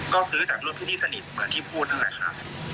ก็ซื้อจากรถพิธีสนิทเหมือนที่พูดเท่าไรครับ